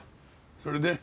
それで？